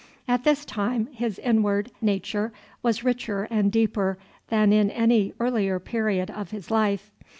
At this time his inward: nature was richer and deeper than in any earlier period of his life.